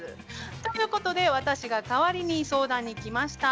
ということで私が代わりに相談に来ました。